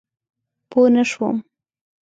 پوه نه شوم؟